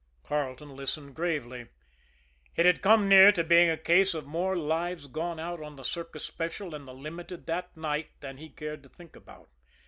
Carleton listened gravely; it had come near to being a case of more lives gone out on the Circus Special and the Limited that night than he cared to think about.